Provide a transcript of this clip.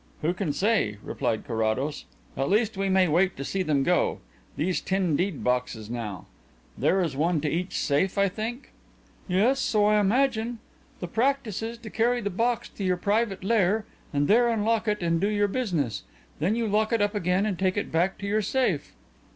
"Who can say?" replied Carrados. "At least we may wait to see them go. Those tin deed boxes now. There is one to each safe, I think?" "Yes, so I imagine. The practice is to carry the box to your private lair and there unlock it and do your business. Then you lock it up again and take it back to your safe."